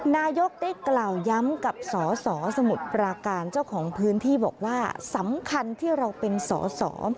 นายกได้กล่าวย้ำกับสสสสมุทรปราการเจ้าของพื้นที่บอกว่าสำคัญที่เราเป็นสอสอ